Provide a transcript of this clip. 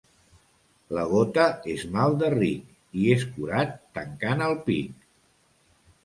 La gota és mal de ric i és curat tancant el pic.